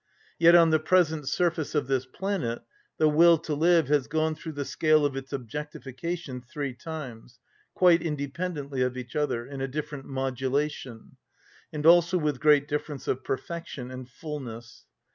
Yet on the present surface of this planet the will to live has gone through the scale of its objectification three times, quite independently of each other, in a different modulation, and also with great difference of perfection and fulness.